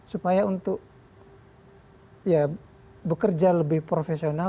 supaya untuk bekerja lebih profesional